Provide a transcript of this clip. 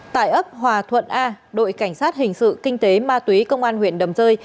tại ấp hòa thuận a đội cảnh sát hình sự kinh tế ma túy công an huyện đầm rơi